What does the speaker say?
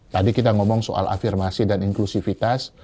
tadi kita ngomong soal afirmasi dan inklusivitas